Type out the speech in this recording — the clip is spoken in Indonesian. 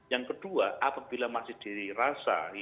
yang kedua apabila masih dirasa